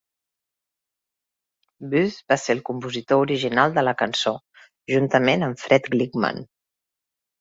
Buz va ser el compositor original de la cançó, juntament amb Fred Glickman.